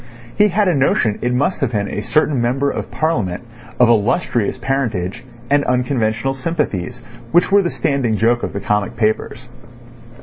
He had a notion it must have been a certain Member of Parliament of illustrious parentage and unconventional sympathies, which were the standing joke of the comic papers.